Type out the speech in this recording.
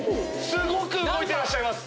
すごく動いてらっしゃいます。